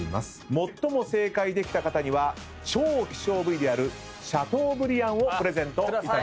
最も正解できた方には超希少部位であるシャトーブリアンをプレゼントいたします。